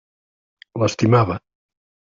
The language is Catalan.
L'estimava.